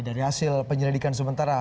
dari hasil penyelidikan sementara